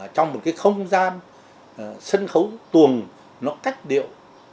trong một cái không gian sân khấu tuồng nó cách điệu